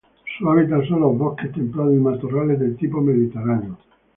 Su hábitat son los bosques templados y matorrales del tipo mediterráneo.